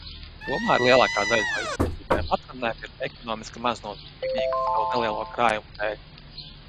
Tomēr lielākā daļa no izpētītajām atradnēm ir ekonomiski maznozīmīgas savu nelielo krājumu dēļ.